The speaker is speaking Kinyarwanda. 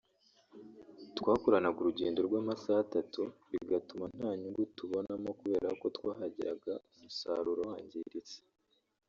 twakoraga urugendo rw’amasaha atatu bigatuma nta nyungu tubonamo kubera ko twahageraga umusaruro wangiritse